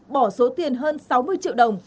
bỏ số tiền hơn sáu mươi triệu đồng